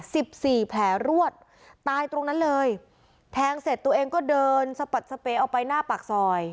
สิบสี่แผลรวดตายตรงนั้นเลยแทงเสร็จตัวเองก็เดินสะปัดสเปย์เอาไปหน้าปากซอย